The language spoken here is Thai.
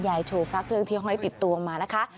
ยายโชว์ฟักเรื่องที่ห้อยปิดตัวมานะคะ